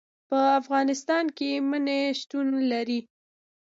په افغانستان کې منی شتون لري.